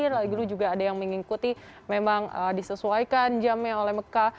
lalu dulu juga ada yang mengikuti memang disesuaikan jamnya oleh mekah